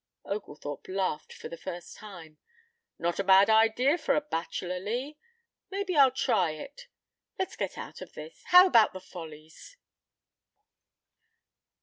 Oglethorpe laughed for the first time. "Not a bad idea for a bachelor, Lee. Maybe I'll try it. Let's get out of this. How about the Follies?"